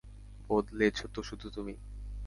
বদলেছো তো শুধু তুমি।